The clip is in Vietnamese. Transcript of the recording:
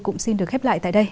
cũng xin được khép lại tại đây